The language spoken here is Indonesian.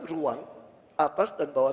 ruang atas dan bawah